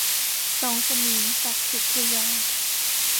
สองสมิง - ศักดิ์ สุริยา